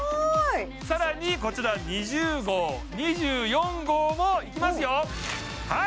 さらにこちら２０号２４号もいきますよはい！